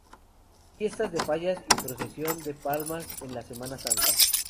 Fiestas de Fallas y procesión de palmas en la semana santa.